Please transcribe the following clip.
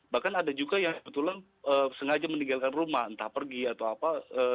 bahkan ada juga yang kebetulan sengaja meninggalkan rumah entah pergi atau apa